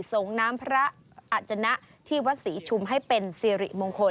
ส่งน้ำพระอาจนะที่วัดศรีชุมให้เป็นสิริมงคล